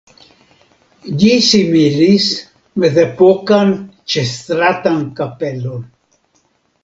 Ĝi similis mezepokan ĉestratan kapelon.